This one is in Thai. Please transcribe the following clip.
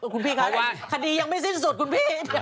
คุณพี่คะคดียังไม่สิ้นสุดคุณพี่